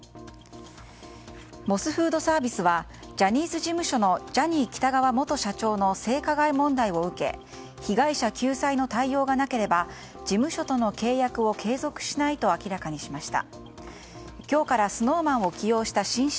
モスフードサービスはジャニーズ事務所のジャニー喜多川元社長の性加害問題を受け被害者救済の対応がなければ事務所との契約を継続しないと明らかにしました。